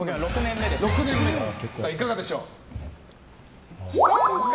いかがでしょう？